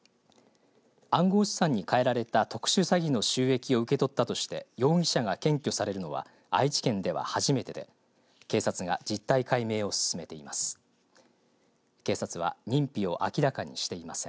暗号資産に換えられた特殊詐欺の収益を受け取ったとして容疑者が検挙されるのは愛知県では初めてで警察が実態解明を進めています。